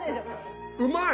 うまい！